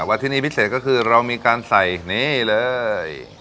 ที่นี่พิเศษก็คือเรามีการใส่นี่เลย